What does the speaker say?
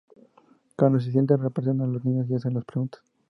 Cuando se sientan, presentan a los niños y hacen las preguntas.